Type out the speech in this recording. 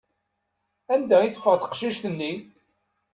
Anda i teffeɣ teqcict-nni?